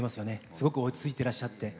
すごく落ち着いてらっしゃって。